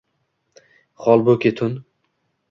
Holbuki, tun…